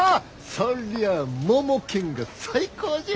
そりゃあモモケンが最高じゃ。